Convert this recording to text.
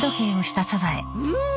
うん。